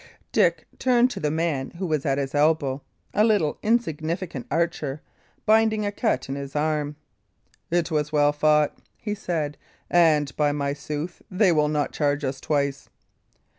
Dick turned to the man who was at his elbow, a little insignificant archer, binding a cut in his arm. "It was well fought," he said, "and, by my sooth, they will not charge us twice."